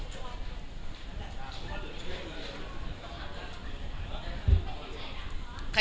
สวัสดีครับ